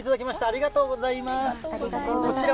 ありがとうございます。